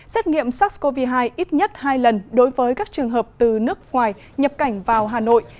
xét nghiệm sars cov hai ít nhất hai lần đối với các trường hợp từ nước ngoài nhập cảnh vào hà nội